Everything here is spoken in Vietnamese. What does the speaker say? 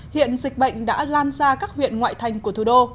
hiện dịch bệnh đã lan ra các huyện ngoại thành của thủ đô